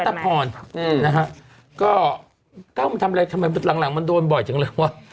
แต้วรัฐพรนะฮะก็แต้วมันทำอะไรทำไมหลังมันโดนบ่อยจังเลยว่ะ